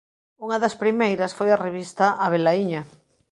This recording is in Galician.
Unha das primeiras foi a revista Avelaíña.